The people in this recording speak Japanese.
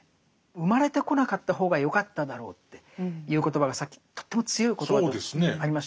生まれてこなかった方がよかっただろうっていう言葉がさっきとっても強い言葉がありましたね。